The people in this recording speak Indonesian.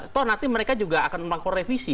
toh nanti mereka juga akan melakukan revisi